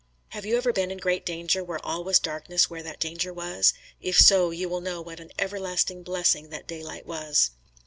Have you ever been in great danger where all was darkness where that danger was? If so, you will know what an everlasting blessing that daylight was.